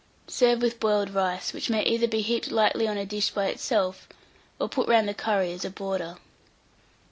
Serve with boiled rice, which may either be heaped lightly on a dish by itself, or put round the curry as a border.